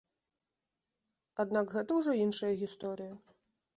Аднак гэта ўжо іншая гісторыя.